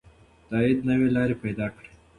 د عاید نوې لارې پیدا کړئ.